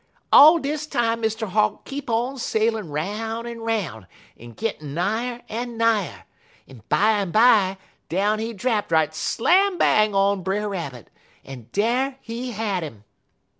"All dis time Mr. Hawk keep on sailin' 'roun' en 'roun' en gittin' nigher en nigher, en bimeby down he drapt right slambang on Brer Rabbit, en dar he had 'im.